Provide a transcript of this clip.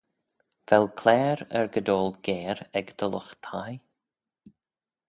Vel claare argidoil geyre ec dty lught thie?